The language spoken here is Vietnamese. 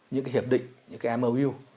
những hiệp định những mou